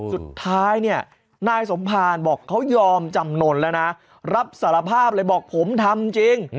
สุดท้ายเนี่ยนายสมภารบอกเขายอมจำนวนแล้วนะรับสารภาพเลยบอกผมทำจริง